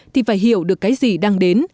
thì phải hiểu được cái gì đang đến